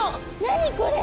何これ！？